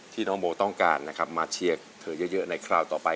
น้องโบต้องการนะครับมาเชียร์เธอเยอะในคราวต่อไป